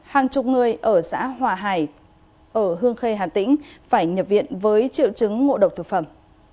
hàng chục người ở xã hòa hải ở hương khê hà tĩnh phải nhập viện với triệu chứng ngộ độc thực phẩm